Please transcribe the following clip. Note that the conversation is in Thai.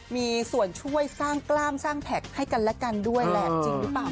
มีส่วนช่วยสร้างกล้ามสร้างแท็กให้กันและกันด้วยแหละจริงหรือเปล่า